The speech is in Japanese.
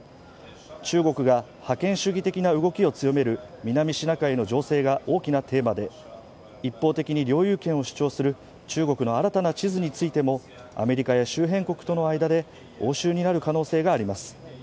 中国が覇権主義的な動きを強める南シナ海の情勢が大きなテーマで一方的に領有権を主張する中国の新たな地図についてもアメリカや周辺国との間で応酬になる可能性があります